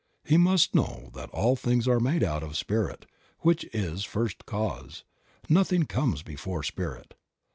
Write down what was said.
He must know that all things are made out of Spirit, which is First Cause ; nothing comes before Spirit.